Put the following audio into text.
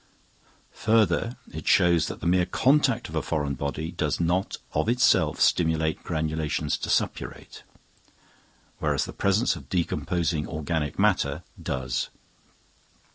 Further, it shows that the mere contact of a foreign body does not of itself stimulate granulations to suppurate; whereas the presence of decomposing organic matter does.